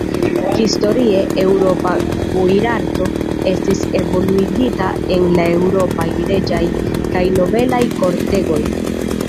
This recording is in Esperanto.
Historie, eŭropa kuirarto estis evoluigita en la eŭropaj reĝaj kaj nobelaj kortegoj.